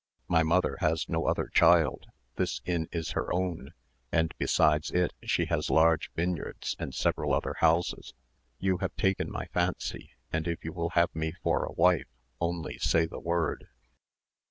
My mother has no other child: this inn is her own; and besides it she has large vineyards, and several other houses. You have taken my fancy; and if you will have me for a wife, only say the word.